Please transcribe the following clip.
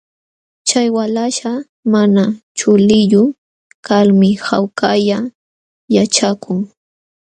Chay walaśhkaq mana chuliyuq kalmi hawkalla yaćhakun.